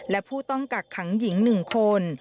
และผู้ต้องกักขังหญิง๑คน